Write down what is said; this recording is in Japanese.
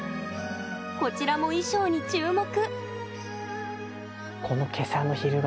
こちらも衣装に注目。